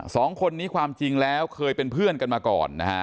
สองคนนี้ความจริงแล้วเคยเป็นเพื่อนกันมาก่อนนะฮะ